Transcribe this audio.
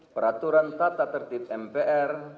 peraturan tata tertib mpr